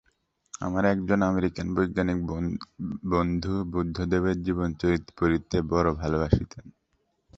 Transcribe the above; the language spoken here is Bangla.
আমার একজন আমেরিকান বৈজ্ঞানিক বন্ধু বুদ্ধদেবের জীবনচরিত পড়িতে বড় ভালবাসিতেন।